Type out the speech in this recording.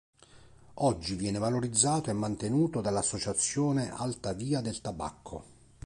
Oggi viene valorizzato e mantenuto dall'Associazione Alta Via del Tabacco.